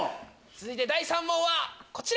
続いて第３問はこちら！